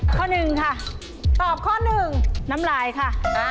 ข้อ๑ค่ะตอบข้อ๑น้ำลายค่ะ